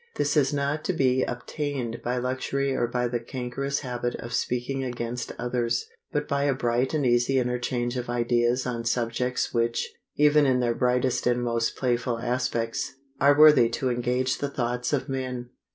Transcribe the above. This is not to be obtained by luxury or by the cankerous habit of speaking against others, but by a bright and easy interchange of ideas on subjects which, even in their brightest and most playful aspects, are worthy to engage the thoughts of men.